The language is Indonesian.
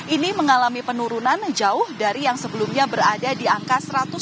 ini mengalami penurunan jauh dari yang sebelumnya berada di angka satu ratus dua puluh lima delapan ratus enam puluh tujuh